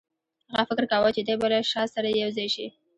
هغه فکر کاوه چې دی به له شاه سره یو ځای شي.